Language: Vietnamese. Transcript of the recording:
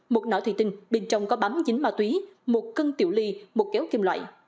một nọ thủy tinh bên trong có bám dính ma túy một cân tiểu ly một kéo kim loại